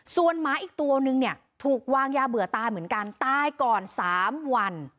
ส่วนหมาอีกตัวนึงเนี่ยถูกวางยาเบื่อตายเหมือนกันตายก่อน๓วัน